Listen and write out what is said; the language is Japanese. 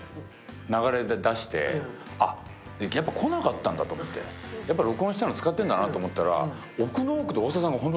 声が流れ出して、あ、やっぱ来なかったんだと思って、やっぱり録音したの使ってるんだなと思ったら。